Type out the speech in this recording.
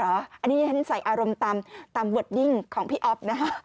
อันนี้ฉันใส่อารมณ์ตามเวิร์ดดิ้งของพี่อ๊อฟนะฮะ